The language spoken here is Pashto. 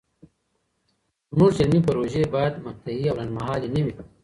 زموږ علمي پروژې باید مقطعي او لنډمهالې نه وي.